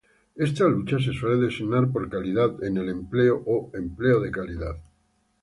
Esta lucha se suele designar por "calidad en el empleo" o "empleo de calidad".